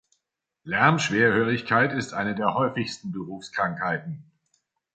Lärmschwerhörigkeit ist eine der häufigsten Berufskrankheiten.